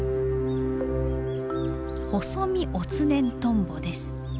ホソミオツネントンボです。